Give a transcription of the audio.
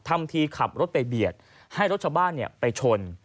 ทำทีขับรถไปเบียดให้รถชาวบ้านไปชน